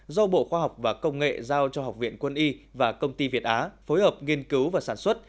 do bộ khoa học và công nghệ giao cho học viện quân y và công ty việt á phối hợp nghiên cứu và sản xuất